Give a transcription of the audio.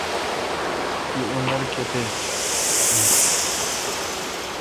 تی عمر کیتیک این۔